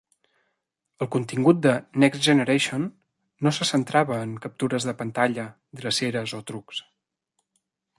El contingut de "Next Generation" no se centrava en captures de pantalla, dreceres o trucs.